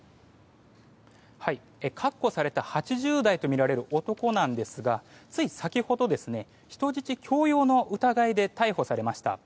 確保された８０代とみられる男なんですがつい先ほど、人質強要の疑いで逮捕されました。